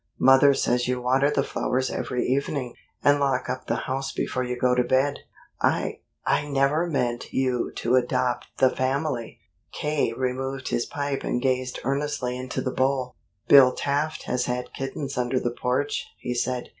Mother says you water the flowers every evening, and lock up the house before you go to bed. I I never meant you to adopt the family!" K. removed his pipe and gazed earnestly into the bowl. "Bill Taft has had kittens under the porch," he said.